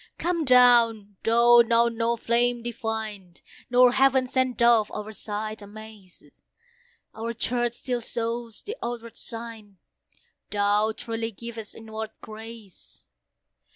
Come down! though now no flame divine, Nor heaven sent Dove, our sight amaze; Our Church still shows the outward sign, Thou truly givest inward grace.